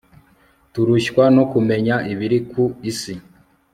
turushywa no kumenya ibiri ku isi